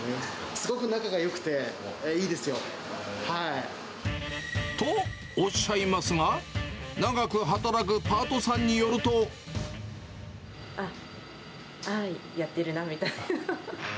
すごく仲がよくて、いいですよ。と、おっしゃいますが、あー、やってるなみたいな。